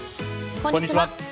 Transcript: こんにちは。